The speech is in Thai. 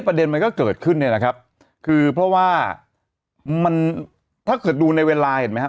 ประเด็นมันก็เกิดขึ้นเนี่ยนะครับคือเพราะว่ามันถ้าเกิดดูในเวลาเห็นไหมครับ